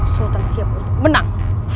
sultan siap untuk menang